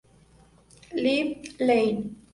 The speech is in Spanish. Libby Lane.